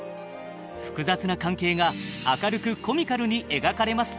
複雑な関係が明るくコミカルに描かれます。